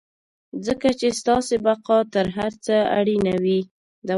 ځکه چې ستاسې بقا تر هر څه اړينه وي.